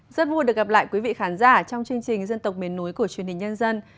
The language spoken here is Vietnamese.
rất vui được gặp lại quý vị khán giả trong chương trình dân tộc miền núi của truyền hình nhân dân